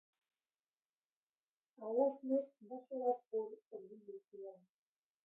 Alaznek baso bat ur hurbildu zion.